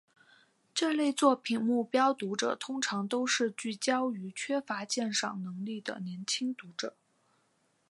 这类作品目标读者通常都是聚焦于缺乏鉴赏能力的年轻读者。